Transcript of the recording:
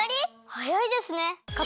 はやいですね！